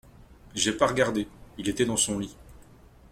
J’ai pas regardé… il était dans son lit.